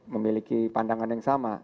memiliki pandangan yang sama